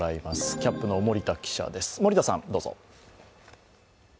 キャップの守田記者です。